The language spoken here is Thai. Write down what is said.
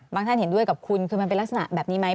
ท่านเห็นด้วยกับคุณคือมันเป็นลักษณะแบบนี้ไหม